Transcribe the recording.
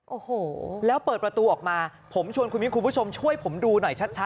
โอ้โหแล้วเปิดประตูออกมาผมชวนคุณมิ้นคุณผู้ชมช่วยผมดูหน่อยชัด